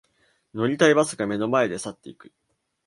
乗りたいバスが目の前で去っていく